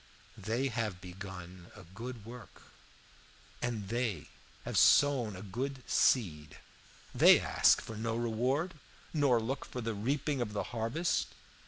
They have begun a good work, and they have sown a good seed; they ask for no reward, nor look for the reaping of the harvest.